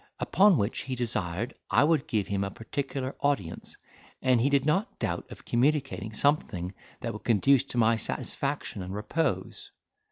Upon which he desired I would give him a particular audience, and he did not doubt of communicating something that would conduce to my satisfaction and repose.